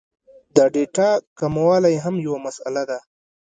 د ډېټا کموالی هم یو مسئله ده